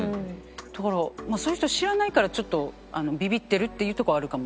だからそういう人を知らないからちょっとビビってるっていうとこはあるかも。